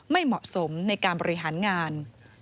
ไม่เหมาะสมในการบริหารงาน